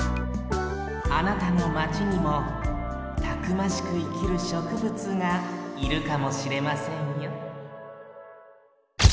あなたのマチにもたくましくいきるしょくぶつがいるかもしれませんよ